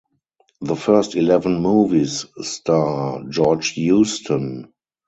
The first eleven movies star George Houston.